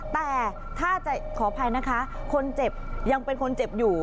แต่ถ้าจะขออภัยนะคะคนเจ็บยังเป็นคนเจ็บอยู่